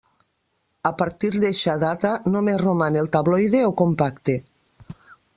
A partir d'eixa data, només roman el tabloide o compacte.